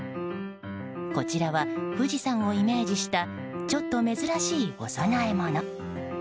こちらは、富士山をイメージしたちょっと珍しいお供え物。